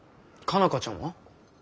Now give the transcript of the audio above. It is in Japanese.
佳奈花ちゃんは？